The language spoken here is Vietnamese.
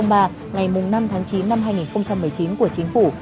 ngày năm tháng chín năm hai nghìn một mươi chín của chính phủ